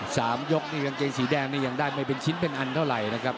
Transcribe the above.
สามยกนี่กางเกงสีแดงนี่ยังได้ไม่เป็นชิ้นเป็นอันเท่าไหร่นะครับ